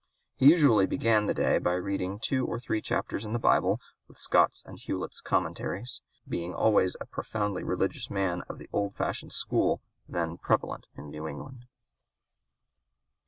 He usually began the day by reading "two or three chapters in the Bible with Scott's and Hewlett's Commentaries," being always a profoundly religious man of the old fashioned school then prevalent in New England.